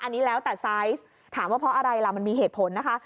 อันนี้แล้วแต่ไซส์ถามว่าเพราะอะไรล่ะมันมีเหตุผลนะคะ